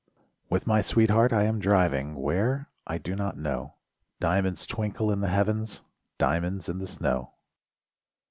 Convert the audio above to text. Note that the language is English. With my sweetheart I am driving Where—I do not know; Diamonds twinkle in the heavens, Diamonds in the snow.